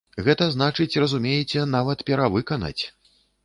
Гэта значыць, разумееце, нават перавыканаць!